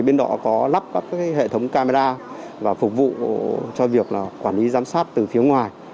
bên đó có lắp các hệ thống camera và phục vụ cho việc quản lý giám sát từ phía ngoài